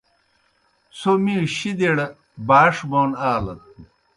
څھوْ می شِدِیْڑ باݜ بون آلَت۔